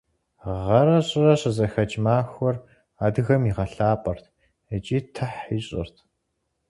Гъэрэ щӏырэ щызэхэкӏ махуэр адыгэм игъэлӏапӏэрт икӏи тыхь ищӏырт.